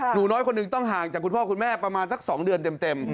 หนูน้อยคนหนึ่งต้องห่างจากคุณพ่อคุณแม่ประมาณสัก๒เดือนเต็ม